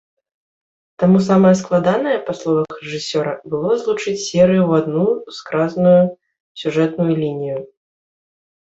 Таму самае складанае, па словах рэжысёра, было злучыць серыі ў адну скразную сюжэтную лінію.